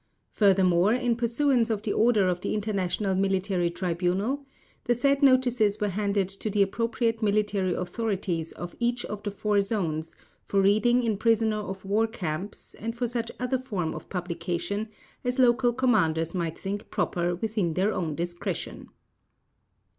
Furthermore, in pursuance of the order of the International Military Tribunal, the said notices were handed to the appropriate Military Authorities of each of the four Zones for reading in Prisoner of War Camps and for such other form of publication as local Commanders might think proper within their own discretion.